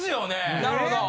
なるほど。